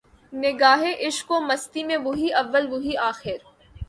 نگاہ عشق و مستی میں وہی اول وہی آخر